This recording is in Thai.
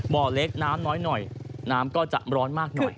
บ่อเล็กน้ำน้อยหน่อยน้ำก็จะร้อนมากหน่อย